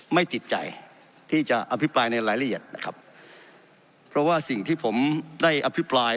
ไม่ติดใจที่จะอภิปรายในรายละเอียดนะครับเพราะว่าสิ่งที่ผมได้อภิปราย